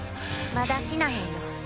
まだ死なへんよ